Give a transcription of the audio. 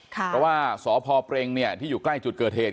เพราะว่าสพเปรงที่อยู่ใกล้จุดเกิดเหตุ